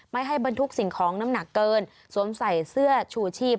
ไม่ให้บรรทุกสิ่งของน้ำหนักเกินสวมใส่เสื้อชูชีพ